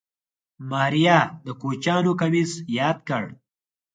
ماريا د کوچيانو کميس ياد کړ.